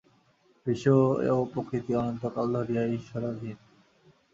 বিশ্ব ও প্রকৃতি অনন্তকাল ধরিয়া ঈশ্বরাধীন।